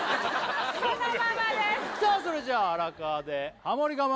そのままですさあそれじゃあ荒川でハモリ我慢